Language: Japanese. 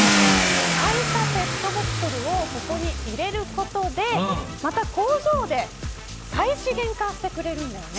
空いたペットボトルをここに入れることでまた工場で再資源化してくれるんだよね。